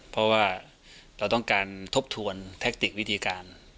เพราะว่าเราต้องการทบทวนแทคติกวิธีการ